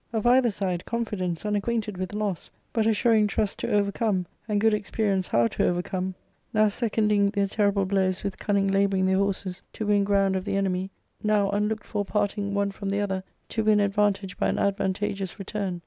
Of either side confidence, unacquainted with loss, but assuring trust to overcome, and good experience how to overcome ; now seconding their terrible blows with cunning labouring their horses to win ground of the enemy, now unlooked for parting one from the other to win advantage by an advantageous return.